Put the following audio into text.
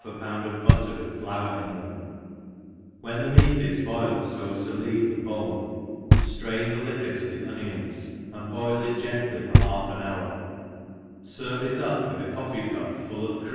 ^' pound of butter with flour in thepd j when the meat is boiled fo as to leave the bone, ftrain the liquor to the onions, and boil it gently for half an hour, ferve it up with a cofrce cup full of cre?